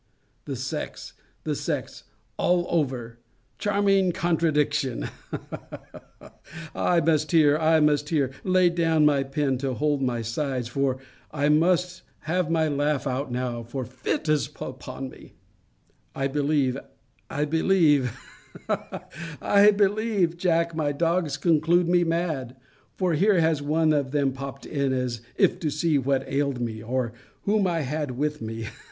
The sex! the sex, all over! Charming contradiction! Hah, hah, hah, hah! I must here I must here, lay down my pen, to hold my sides; for I must have my laugh out now the fit is upon me. I believe I believe Hah, hah, hah! I believe, Jack, my dogs conclude me mad: for here has one of them popt in, as if to see what ailed me, or whom I had with me.